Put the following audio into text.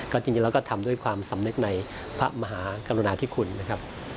ก็จริงแล้วก็ทำด้วยความสำนึกในพระมหากรุณาธิคุณนะครับ